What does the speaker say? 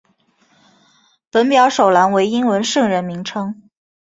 本表首栏为英文圣人名称。